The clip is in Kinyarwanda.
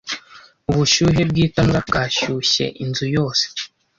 Ubushyuhe bwitanura bwashyushye inzu yose.